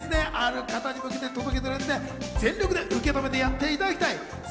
ぜひある方に向けて届けているので全力で受け止めてやっていただきたい。